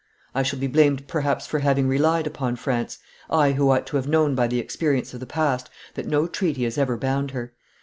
I shall be blamed perhaps for having relied upon France, I who ought to have known by the experience of the past that no treaty has ever bound her!